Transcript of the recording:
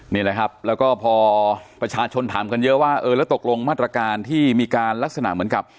นี่แหละครับแล้วก็พอประชาชนถามกันเยอะว่าเออแล้วตกลงมาตรการที่มีการลักษณะเหมือนกับ